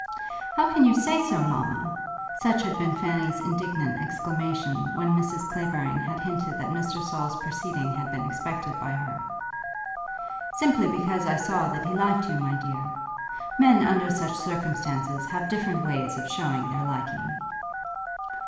"How can you say so, mamma?" Such had been Fanny's indignant exclamation when Mrs. Clavering had hinted that Mr. Saul's proceeding had been expected by her. "Simply because I saw that he liked you, my dear. Men under such circumstances have different ways of showing their liking."